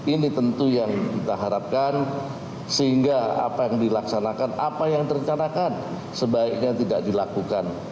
ini tentu yang kita harapkan sehingga apa yang dilaksanakan apa yang terencanakan sebaiknya tidak dilakukan